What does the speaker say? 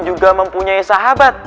juga mempunyai sahabat